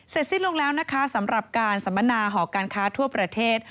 สิ้นลงแล้วนะคะสำหรับการสัมมนาหอการค้าทั่วประเทศ